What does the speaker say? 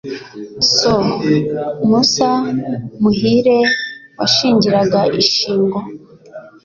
So musa, Muhire wanshingiraga ishingo,